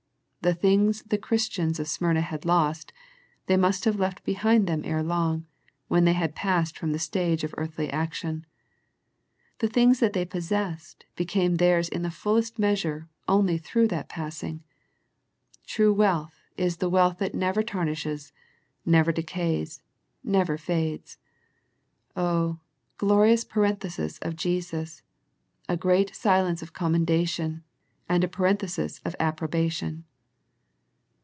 The things the Christians of Smyrna had lost, they must have left behind them ere long, when they had passed from the stage of earthly action. The things that they possessed became theirs in fullest measure only through that passing. True wealth is the wealth that never tarnishes, never decays, never fades. Oh, glorious parenthesis of Jesus, a great silence of commendation, and a parenthesis of approbation.